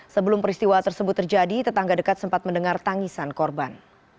sebelum peristiwa tersebut terjadi tetangga dekat sempat mendengar tangisan korban